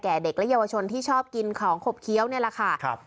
เด็กและเยาวชนที่ชอบกินของขบเคี้ยวนี่แหละค่ะ